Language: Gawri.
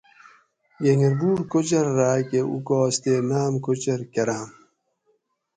گۤنگربُوٹ کوچور راۤکہ اُوکاس تے نام کوچور کۤراں